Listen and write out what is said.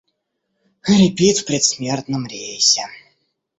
Хрипит в предсмертном рейсе.